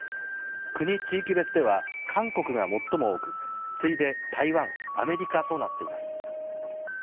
国・地域別では韓国が最も多く次いで台湾、アメリカとなっています。